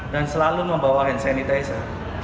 dan selalu membawa hand sanitizer